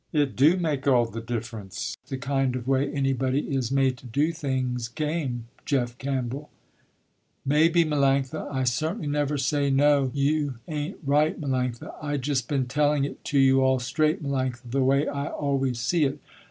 It do make all the difference the kind of way anybody is made to do things game Jeff Campbell." "Maybe Melanctha, I certainly never say no you ain't right, Melanctha. I just been telling it to you all straight, Melanctha, the way I always see it.